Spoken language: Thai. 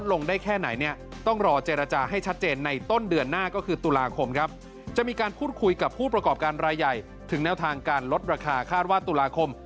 ลดราคาต์ทุราคม